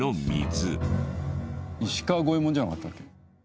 石川五右衛門じゃなかったっけ？